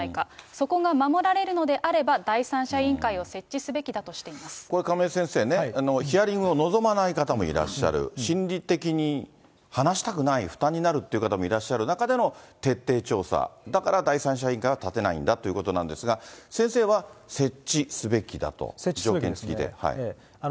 そこが守られるのであれば、第三者委員会を設置すべきだとしていこれ、亀井先生ね、ヒアリングを望まない方もいらっしゃる、心理的に話したくない、負担になるって方もいらっしゃる中での徹底調査、だから第三者委員会は立てないんだということなんですが、設置すべきですね。